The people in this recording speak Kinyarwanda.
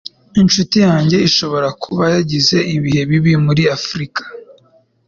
Inshuti yanjye ishobora kuba yagize ibihe bibi muri Afrika